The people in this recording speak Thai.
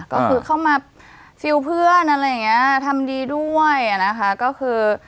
ก็คือเข้ามาฟิลเพื่อนอะไรอย่างเงี้ยทำดีด้วยอ่ะนะคะก็คือ